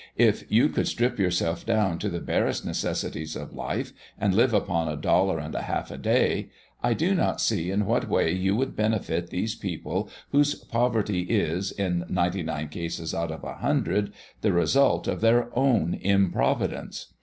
"If you could strip yourself down to the barest necessities of life, and live upon a dollar and a half a day, I do not see in what way you would benefit these people whose poverty is, in ninety nine cases out of a hundred, the result of their own improvidence.